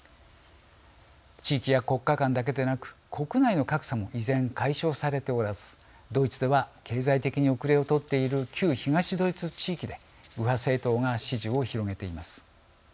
地域や国家間だけでなく国内の格差も依然、解消されておらずドイツでは経済的に後れを取っている旧東ドイツ地域で右派政党が支持を広げています。